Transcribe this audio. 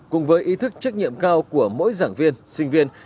cùng với ý thức trách nhiệm cao của mỗi giảng viên sinh viên